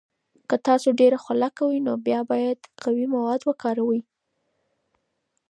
که تاسو ډیر خوله کوئ، بیا باید قوي مواد وکاروئ.